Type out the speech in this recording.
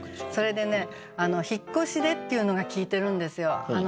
それでね「引越しで」っていうのが効いてるんですよ。